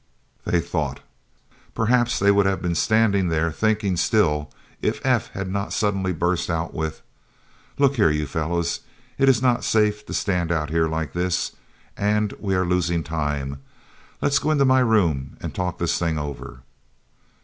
They thought. Perhaps they would have been standing there thinking still, if F. had not suddenly burst out with: "Look here, you fellows, it is not safe to stand out here like this, and we are losing time. Let us go into my room and talk this thing over."